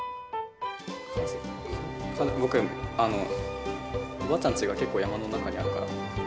僕おばあちゃんちが結構山の中にあるから。